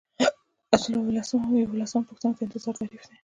یو سل او یوولسمه پوښتنه د انتظار تعریف دی.